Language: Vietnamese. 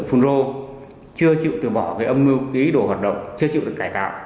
phùng rô chưa chịu từ bỏ âm mưu ký đồ hoạt động chưa chịu được cải tạo